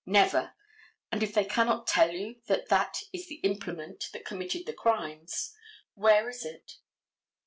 Never. And, if they cannot tell you that that is the implement that committed the crimes, where is it.